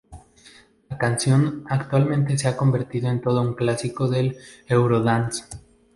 La canción, actualmente se ha convertido en todo un clásico del eurodance.